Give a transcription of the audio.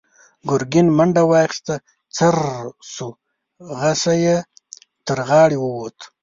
ګرګين منډه واخيسته، څررر شو، غشۍ يې تر غاړې ووت.